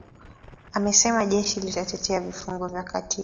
amesema jeshi litatetea vifungu vya katiba